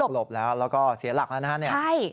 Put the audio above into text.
หลบแล้วแล้วก็เสียหลักแล้วนะคะ